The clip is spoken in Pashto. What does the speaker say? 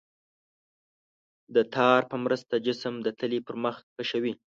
د تار په مرسته جسم د تلې پر مخ کشوي.